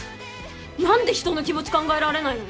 何で人の気持ち考えられないの？